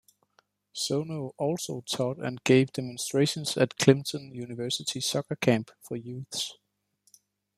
Sono also taught and gave demonstrations at Clemson University Soccer Camp for youths.